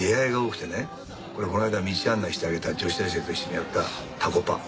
これこの間道案内してあげた女子大生と一緒にやったタコパ。